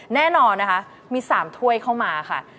แน่นอนนะคะมี๓ถ้วยเข้ามาค่ะ